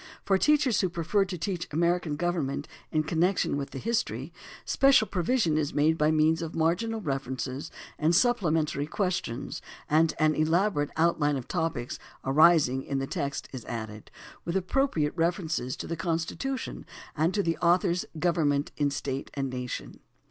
For teachers who prefer to teach American government in connection with the history, special provision is made by means of marginal references and supplementary questions, and an elaborate outline of topics arising in the text is added (Appendix I, pp. 527 534), with appropriate references to the Constitution and to the authors' "Government in State and Nation."